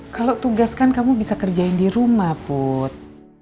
kalau tugas kan kamu bisa kerjain di rumah put